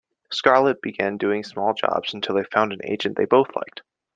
Scarlett began doing small jobs until they found an agent they both liked.